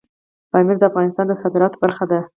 پامیر د افغانستان د صادراتو برخه ده.